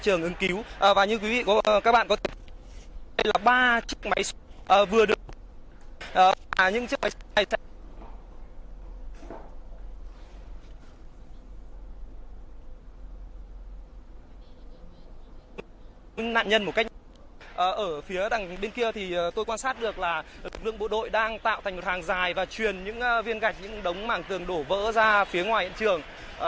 ở phía bên kia thì tôi quan sát được là lực lượng bộ đội đang tạo thành một hàng dài và truyền những viên gạch những đống mảng tường đổ vỡ ra phía ngoài hiện trường